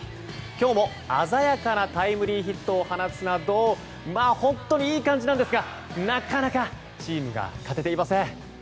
今日も鮮やかなタイムリーヒットを放つなど本当にいい感じなんですがなかなかチームが勝てていません。